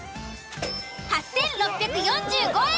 ８，６４５円。